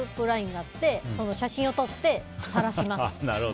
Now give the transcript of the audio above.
ＬＩＮＥがあって写真を撮って、さらします。